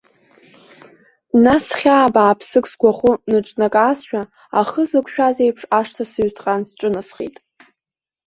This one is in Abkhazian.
Нас хьаа бааԥсык сгәахы ныҿнакаазшәа, ахы зықәшәаз иеиԥш, ашҭа сыҩҭҟьан сҿынасхеит.